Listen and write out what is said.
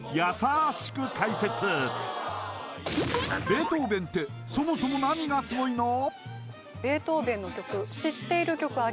ベートーヴェンってそもそも何がスゴイの？